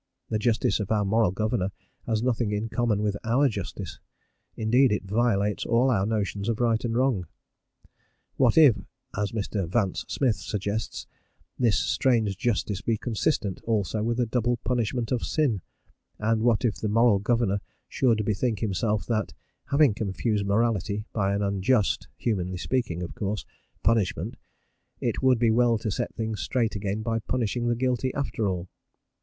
The justice of our Moral Governor has nothing in common with our justice indeed, it violates all our notions of right and wrong. What if, as Mr. Vance Smith suggests, this strange justice be consistent also with a double punishment of sin; and what if the Moral Governor should bethink himself that, having confused morality by an unjust humanly speaking, of course punishment, it would be well to set things straight again by punishing the guilty after all?